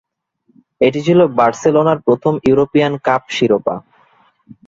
এটি ছিল বার্সেলোনার প্রথম ইউরোপীয়ান কাপ শিরোপা।